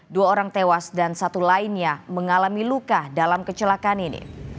dua orang tewas dan satu lainnya mengalami luka dalam kecelakaan ini